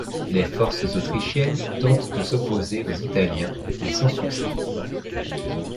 Les forces autrichiennes tentent de s'opposer aux Italiens, mais sans succès.